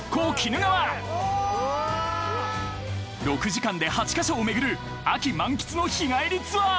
［６時間で８箇所を巡る秋満喫の日帰りツアー］